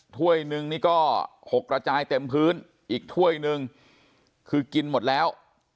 ถ้วยหนึ่งนี่ก็หกระจายเต็มพื้นอีกถ้วยหนึ่งคือกินหมดแล้ว